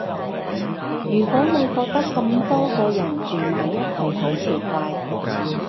如果你覺得咁多個人住埋一齊好奇怪